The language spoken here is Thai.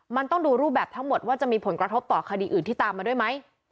มันต้องดูรูปแบบทั้งหมดว่าจะมีผลกระทบต่อคดีอื่นที่ตามมาด้วยไหม